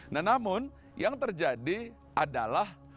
nah namun yang terjadi adalah